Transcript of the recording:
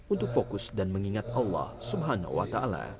untuk fokus dan mengingat allah swt